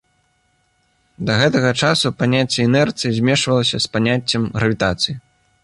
Да гэтага часу паняцце інерцыі змешвалася з паняццем гравітацыі.